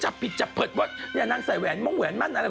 แล้วจริงเรื่องชุดก่อนนะครับ